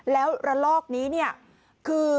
แล้วระลอกนี้คือ